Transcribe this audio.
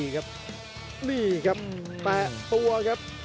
ชาเลน์